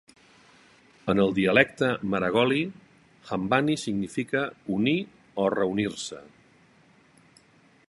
En el dialecte maragoli, "hambani" significa "unir" o "reunir-se".